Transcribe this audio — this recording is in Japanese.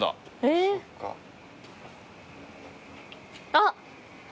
あっ！